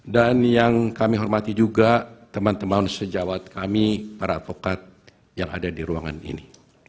dan yang kami hormati juga teman teman sejawat kami para tokat yang ada di ruangan ini